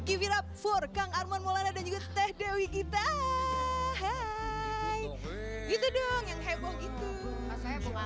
di virab furkang arman molana dan juga teh dewi itai hai itu dong yang heboh itu saya bukan